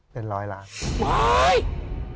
เป็น๑๐๐ล้านบาท